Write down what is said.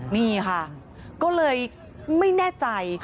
นี่ค่ะก็เลยไม่แน่ใจ